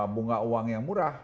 bunga uang yang murah